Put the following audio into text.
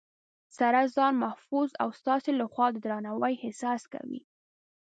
سره ځان محفوظ او ستاسې لخوا د درناوي احساس کوي